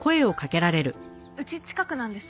うち近くなんです。